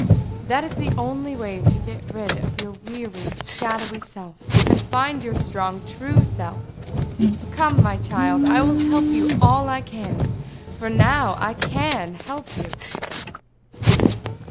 "That is the only way to get rid of your weary, shadowy self, and find your strong, true self. Come, my child; I will help you all I can, for now I can help you."